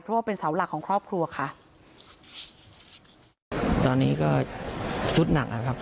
เพราะว่าเป็นเสาหลักของครอบครัวค่ะตอนนี้ก็สุดหนักแล้วครับ